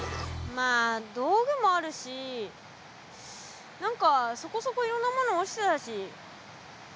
まあ道具もあるし何かそこそこいろんなもの落ちてたしなんとかなるよ。